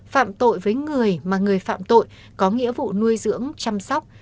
phạm tội với người mà người phạm tội có nghĩa vụ nuôi dưỡng chăm sóc